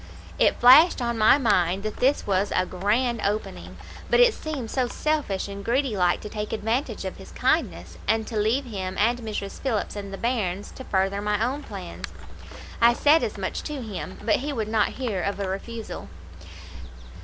"It flashed on my mind that this was a grand opening; but it seemed so selfish and greedy like to take advantage of his kindness, and to leave him, and Mrs. Phillips, and the bairns, to further my own plans. I said as much to him, but he would not hear of a refusal.